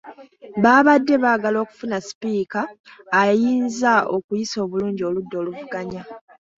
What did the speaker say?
Baabadde baagala okufuna sipiika ayinza okuyisa obulungi oludda oluvuganya .